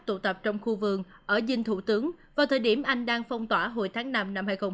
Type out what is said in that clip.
tụ tập trong khu vườn ở dinh thủ tướng vào thời điểm anh đang phong tỏa hồi tháng năm năm hai nghìn một mươi chín